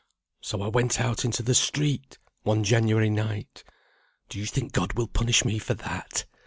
So I went out into the street, one January night Do you think God will punish me for that?"